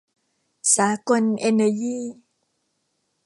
สากล เอนเนอยี